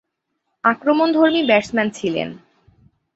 আক্রমণধর্মী batsman ছিলেন।